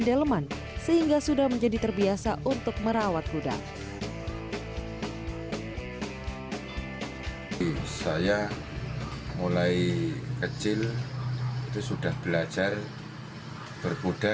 deleman sehingga sudah menjadi terbiasa untuk merawat kuda saya mulai kecil itu sudah belajar berkuda